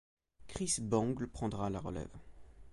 Chris Bangle prendra la relève.